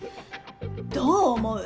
どう思う？